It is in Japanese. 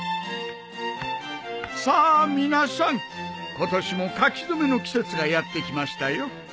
さあ皆さん今年も書き初めの季節がやって来ましたよ。